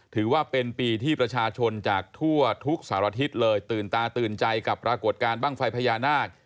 ถือว่าเป็นปีที่ประชาชนจากทั่วทุกสารทิศเลยตื่นตาตื่นใจกับปรากฏการณ์บ้างไฟพญานาค